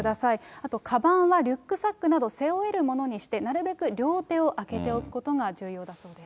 あとかばんはリュックサックなど背負えるものにして、なるべく両手を空けておくことが重要だそうです。